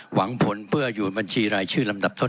หวังผลเพื่ออยู่บัญชีรายชื่อลำดับต้น